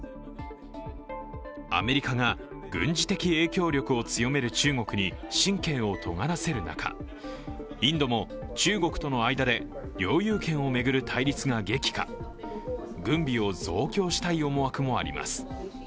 アメリカが軍事的影響力を強める中国に神経をとがらせる中インドも、中国との間で領有権を巡る対立が激化、軍備を増強したい思惑もあります。